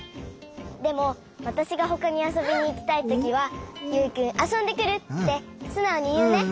でもわたしがほかにあそびにいきたいときは「ユウくんあそんでくる」ってすなおにいうね！